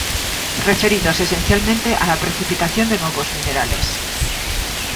Referidos esencialmente a la precipitación de nuevos minerales.